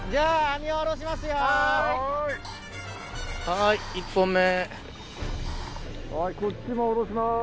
はい１本目。